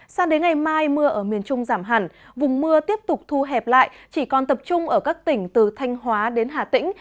sang đến ngày mai mưa ở miền trung giảm hẳn vùng mưa tiếp tục thu hẹp lại chỉ còn tập trung ở các tỉnh từ thanh hóa đến hà tĩnh